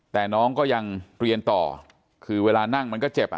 แต่น้องก็ยังเรียนต่อคือเวลานั่งมันก็เจ็บอ่ะ